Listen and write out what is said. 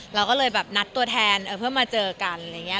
เราก็เลยแบบนัดตัวแทนเพื่อมาเจอกันอะไรอย่างนี้